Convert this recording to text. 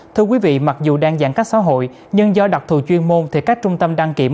thưa quý vị mặc dù đang giãn cách xã hội nhưng do đặc thù chuyên môn thì các trung tâm đăng kiểm